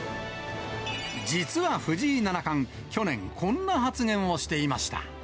実は藤井七冠、去年、こんな発言をしていました。